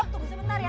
tunggu sebentar ya